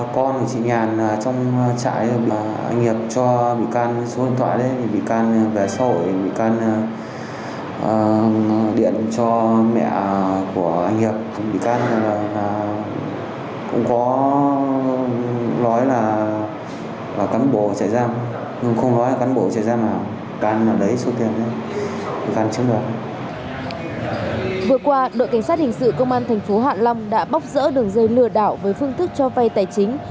vừa qua đội cảnh sát hình sự công an thành phố hạ long đã bóc rỡ đường dây lừa đảo với phương thức cho vay tài chính